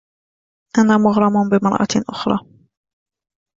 أنا مغرم بامرأة أخرى.